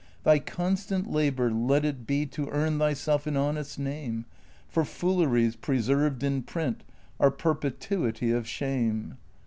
Thy constant labor let it be To earn thyself an honest name, For fooleries preserved in print Are perpetuity of shame.